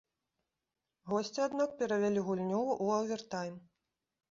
Госці аднак перавялі гульню ў овертайм.